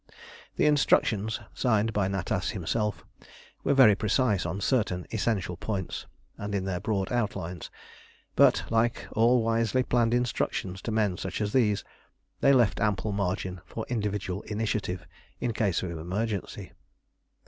The instructions, signed by Natas himself, were very precise on certain essential points, and in their broad outlines, but, like all wisely planned instructions to such men as these, they left ample margin for individual initiative in case of emergency.